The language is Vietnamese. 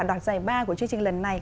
đoạn giải ba của chương trình lần này